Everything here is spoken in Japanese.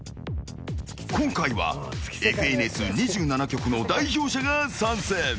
今回はＦＮＳ２７局の代表者が参戦。